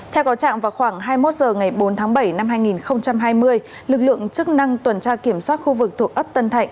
theo có trạng vào khoảng hai mươi một h ngày bốn tháng bảy năm hai nghìn hai mươi lực lượng chức năng tuần tra kiểm soát khu vực thuộc ấp tân thạnh